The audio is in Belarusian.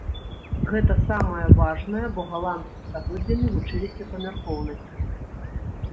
Гэта самае важнае, бо галандцы стагоддзямі вучыліся памяркоўнасці.